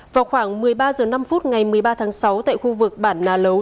vào khoảng một mươi ba h năm ngày một mươi ba tháng sáu tại khu vực bản nà lấu